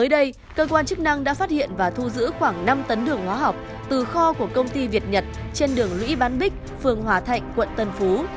đây cơ quan chức năng đã phát hiện và thu giữ khoảng năm tấn đường hóa học từ kho của công ty việt nhật trên đường lũy bán bích phường hòa thạnh quận tân phú